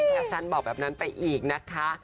แคปชั่นบอกแบบนั้นไปอีกนะคะ